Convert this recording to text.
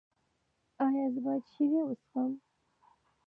ایا زه باید شیدې وڅښم؟